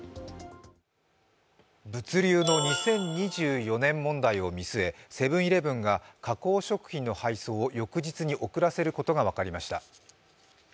物流の２０２４年問題を見据え、セブン−イレブンが加工食品の配送を翌日に遅らせることが分かりました。